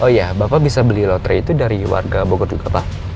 oh iya bapak bisa beli lotre itu dari warga bogor juga pak